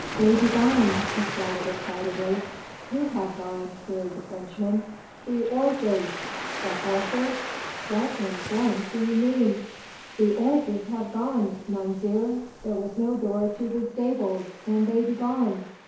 "They be gone," he shouted excitedly. "Who have gone?" queried the Frenchman. "The 'orzes!" "The horses? What in do you mean?" "The 'orzes have gone, Mounzeer. There was no door to the ztables and they be gone."